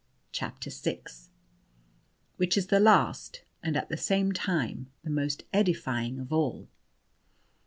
CHAPTER VI. WHICH IS THE LAST AND, AT THE SAME TIME, THE MOST EDIFYING OF ALL.